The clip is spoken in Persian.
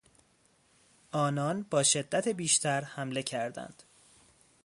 آنان با شدت بیشتر حمله کردند.